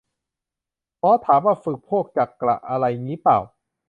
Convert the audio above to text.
หมอถามว่าฝึกพวกจักระอะไรงี้ป่าว